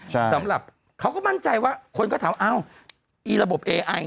สำหรับเขาก็มั่นใจว่าคนก็ถอบ